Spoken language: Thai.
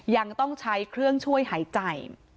ยังต้องใช้เครื่องช่วยหายใจ